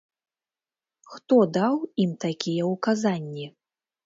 Хто даў ім такія ўказанні?